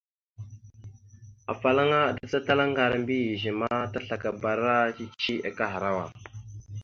Afalaŋa aɗəsatalá ŋgar a mbiyez ma, taslakabara cici akahərawa.